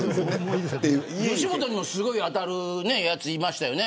吉本にもすごい当たるやついましたよね。